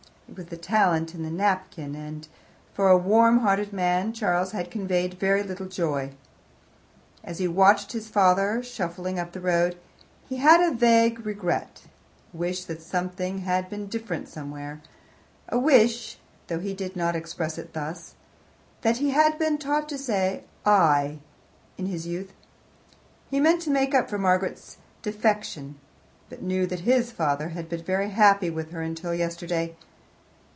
It was the talent in the napkin, and, for a warm hearted man, Charles had conveyed very little joy. As he watched his father shuffling up the road, he had a vague regret a wish that something had been different somewhere a wish (though he did not express it thus) that he had been taught to say "I" in his youth. He meant to make up for Margaret's defection, but knew that his father had been very happy with her until yesterday.